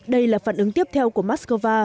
đây là phản ứng tiếp theo của moscow